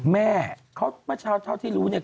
แม่เพราะเท่าที่มันรู้เนี่ย